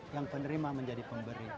yang penerima menjadi pemberi